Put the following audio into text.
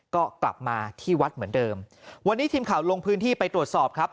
ก็กลับมาที่วัดเหมือนเดิมวันนี้ทีมข่าวลงพื้นที่ไปตรวจสอบครับ